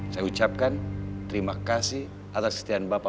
saya ucapkan terima kasih atas kesetiaan bapak